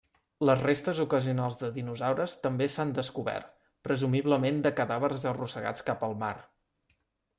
Les restes ocasionals de dinosaures també s'han descobert, presumiblement de cadàvers arrossegats cap al mar.